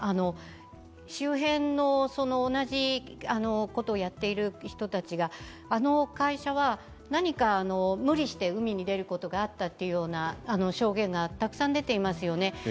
周辺の同じことをやっている人たちがあの会社は、何か無理して海に出ることがあったという証言がたくさん出ていますよね。